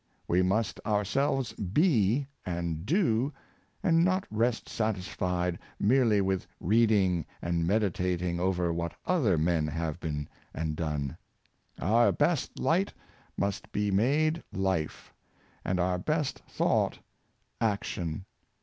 We must our selves be and do^ and not rest satisfied merely with reading and meditating over what other men have been and done. Our best light must be made life, and our best thought action.